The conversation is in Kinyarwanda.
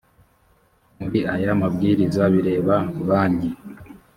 muri aya mabwiriza bireba banki